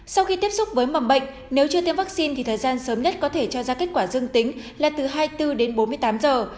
sau khi tiếp xúc với mầm bệnh nếu chưa tiêm vaccine thì thời gian sớm nhất có thể cho ra kết quả dương tính là từ hai mươi bốn đến bốn mươi tám giờ